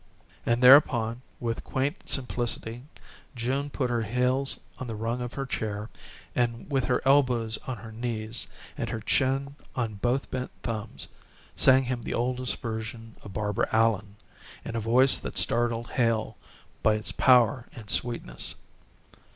And, thereupon, with quaint simplicity, June put her heels on the rung of her chair, and with her elbows on her knees, and her chin on both bent thumbs, sang him the oldest version of "Barbara Allen" in a voice that startled Hale by its power and sweetness.